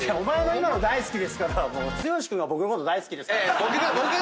今の「大好きですから」は剛君が僕のこと大好きです。